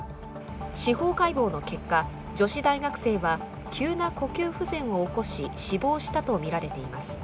司法解剖の結果、女子大学生は急な呼吸不全を起こし、死亡したとみられています。